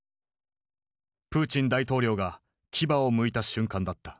プーチン大統領が牙をむいた瞬間だった。